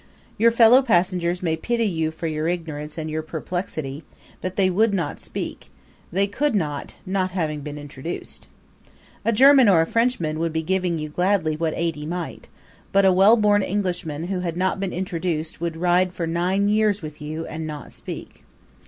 Your fellow passengers may pity you for your ignorance and your perplexity, but they would not speak; they could not, not having been introduced. A German or a Frenchman would be giving you gladly what aid he might; but a well born Englishman who had not been introduced would ride for nine years with you and not speak.